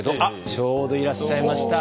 ちょうどいらっしゃいました！